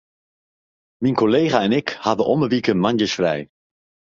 Myn kollega en ik hawwe om 'e wike moandeis frij.